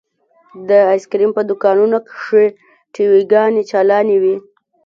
د ايسکريم په دوکانونو کښې ټي وي ګانې چالانې وې.